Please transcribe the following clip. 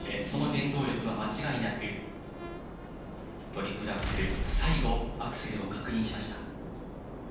その原動力は間違いなくトリプルアクセル。